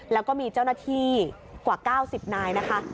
แล้วก็มีเจ้าหน้าที่กว่า๙๐นายนะคะ